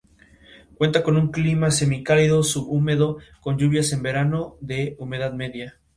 En una cueva de grandes dimensiones, con un gran número de galerías.